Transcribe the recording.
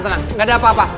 gak ada apa apa